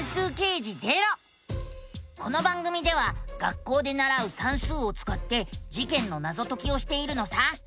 この番組では学校でならう「算数」をつかって事件のナゾ解きをしているのさ。